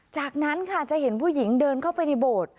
จากนั้นค่ะจะเห็นผู้หญิงเดินเข้าไปในโบสถ์